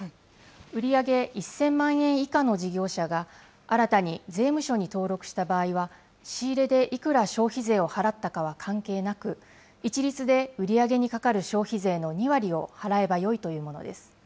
売り上げ１０００万円以下の事業者が新たに税務署に登録した場合は、仕入れでいくら消費税を払ったかは関係なく、一律で売り上げにかかる消費税の２割を払えばよいというものです。